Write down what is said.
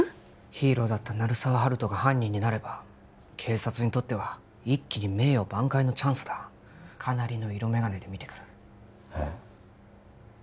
ヒーローだった鳴沢温人が犯人になれば警察にとっては一気に名誉挽回のチャンスだかなりの色眼鏡で見てくるえっ